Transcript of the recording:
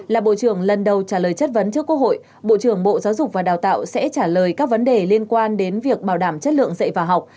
là bộ trưởng lần đầu trả lời chất vấn trước quốc hội bộ trưởng bộ giáo dục và đào tạo sẽ trả lời các vấn đề liên quan đến việc bảo đảm chất lượng dạy và học